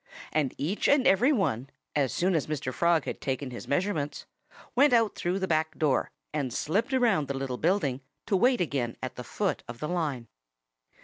And each and every one, as soon as Mr. Frog had taken his measurements, went out through the back door and slipped around the little building, to wait again at the foot of the line.